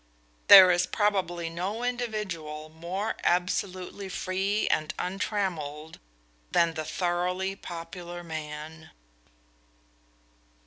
There is probably no individual more absolutely free and untrammeled than the thoroughly popular man.